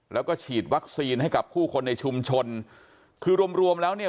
แล้วก็ฉีดวัคซีนให้กับผู้คนในชุมชนคือรวมรวมแล้วเนี่ย